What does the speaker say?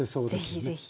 ぜひぜひ。